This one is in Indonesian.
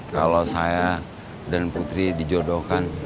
kalau saya dan putri dijodohkan